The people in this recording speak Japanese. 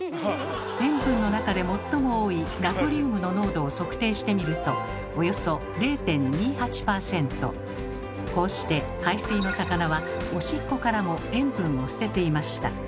塩分の中で最も多いナトリウムの濃度を測定してみるとこうして海水の魚はおしっこからも塩分を捨てていました。